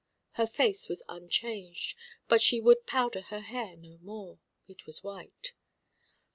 Her face was unchanged, but she would powder her hair no more. It was white.